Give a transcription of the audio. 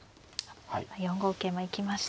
４五桂馬行きました。